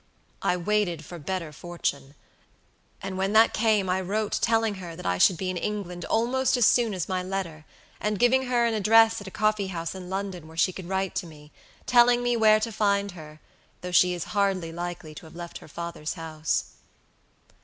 I waited for better fortune, and when that came I wrote telling her that I should be in England almost as soon as my letter, and giving her an address at a coffee house in London where she could write to me, telling me where to find her, though she is hardly likely to have left her father's house."